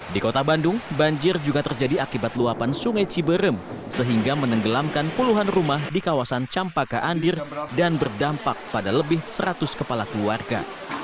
di kota bandung banjir juga terjadi akibat luapan sungai ciberem sehingga menenggelamkan puluhan rumah di kawasan campaka andir dan berdampak pada lebih seratus kepala keluarga